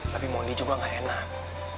tapi moni juga gak enak